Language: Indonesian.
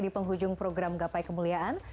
di penghujung program gapai kemuliaan